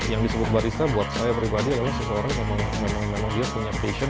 yang disebut barista buat saya pribadi adalah seseorang yang memang dia punya passion